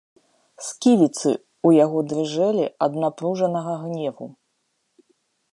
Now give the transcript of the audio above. Сківіцы ў яго дрыжэлі ад напружанага гневу.